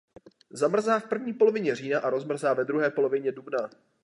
Zamrzá v první polovině října a rozmrzá ve druhé polovině dubna.